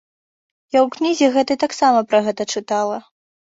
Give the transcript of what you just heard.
Я ў кнізе гэтай таксама пра гэта чытала.